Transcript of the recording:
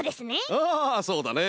ああそうだね！